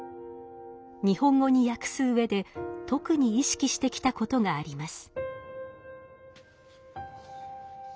日本語に訳す上で特に意識してきたことがあります。